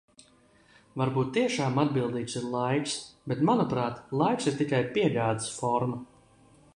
Varbūt tiešām atbildīgs ir laiks, bet, manuprāt, laiks ir tikai piegādes forma.